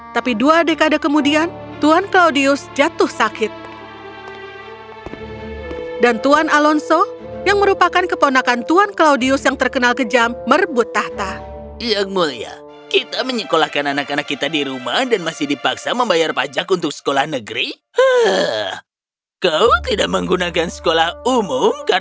tidak itu bukan kesalahanku